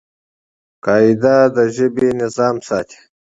قاعده د ژبي نظم ساتي.